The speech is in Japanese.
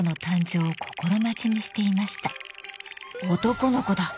「男の子だ！